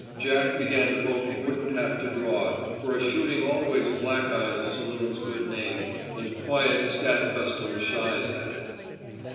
Jack began to hope he wouldn't have to draw, for a shooting always black eyes a saloon's good name and quiet scat custom shies at it.